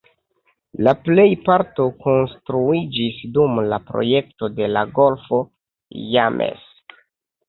La plejparto konstruiĝis dum la projekto de la golfo James.